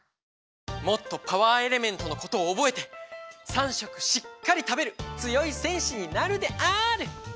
もっとパワーエレメントのことをおぼえて３しょくしっかりたべるつよいせんしになるである！